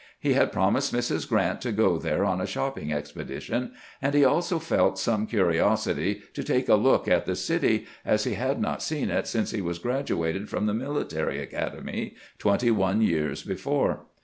He had promised Mrs. Grant to go there on a shopping expedition, and he also felt some curiosity to take a look at the city, as he had not seen it since he was graduated from the Military Academy, twenty one years before.